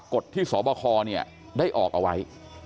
กฎที่สคเนี่ยได้ออกเอาไว้